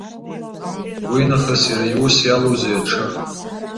Уинахыс иара иус иалоузеи аҽы?